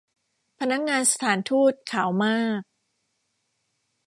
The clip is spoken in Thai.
พนักงานสถานฑูต ขาวมาก